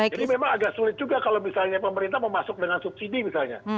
jadi memang agak sulit juga kalau misalnya pemerintah mau masuk dengan subsidi misalnya